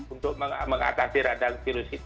untuk mengatasi radang